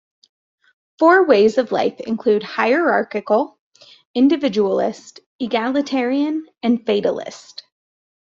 Four ways of life include: Hierarchical, Individualist, Egalitarian, and Fatalist.